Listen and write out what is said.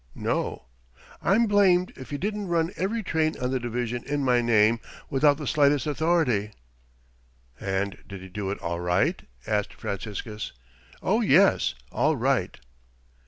"No." "I'm blamed if he didn't run every train on the division in my name without the slightest authority." "And did he do it all right?" asked Franciscus. "Oh, yes, all right."